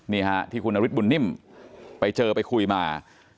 นี่ฮะที่คุณนฤทธบุญนิ่มไปเจอไปคุยมา